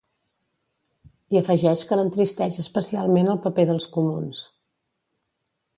I afegeix que l’entristeix especialment el paper dels comuns.